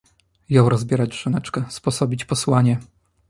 Jął rozbierać żoneczkę, sposobić posłanie